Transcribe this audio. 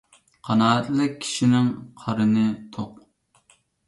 قانائەتلىك كىشىنىڭ قارنى توق.